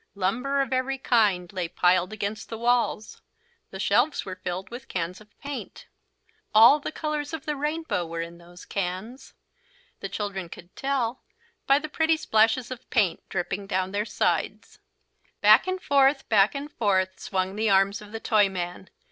Lumber of every kind lay piled against the walls. The shelves were filled with cans of paint. All the colours of the rainbow were in those cans. The children could tell that by the pretty splashes of the paint dripping down their sides. Back and forth, back and forth swung the arms of the Toyman.